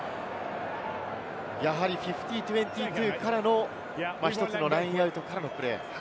やはり５０：２２からのラインアウトからのプレー。